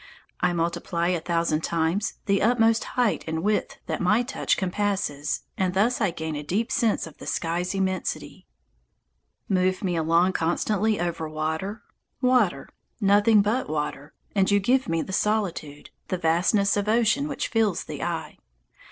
I multiply a thousand times the utmost height and width that my touch compasses, and thus I gain a deep sense of the sky's immensity. Move me along constantly over water, water, nothing but water, and you give me the solitude, the vastness of ocean which fills the eye.